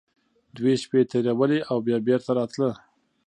دوې شپې يې تېرولې او بيا بېرته راته.